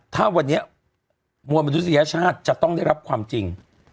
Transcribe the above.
ถ้าวันนี้มวลมนุษยชาติจะต้องได้รับความจริง